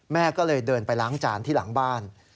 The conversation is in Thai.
แม่ก็เลยเดินไปล้างจานที่หลังบ้าน